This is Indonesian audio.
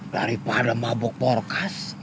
daripada mabok porkas